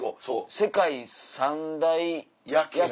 世界三大夜景。